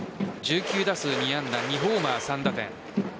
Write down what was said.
１９打数、２安打２ホーマー、３打点。